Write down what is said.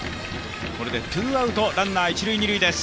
これでツーアウトランナー、一塁・二塁です。